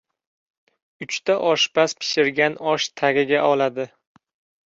• Uchta oshpaz pishirgan osh tagiga oladi.